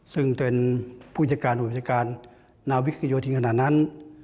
ซึ่งเป็นผู้จัดการนาวิกยศยอโทษณนั้น